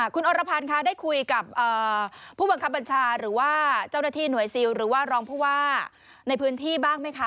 คุณอรพันธ์คะได้คุยกับผู้บังคับบัญชาหรือว่าเจ้าหน้าที่หน่วยซิลหรือว่ารองผู้ว่าในพื้นที่บ้างไหมคะ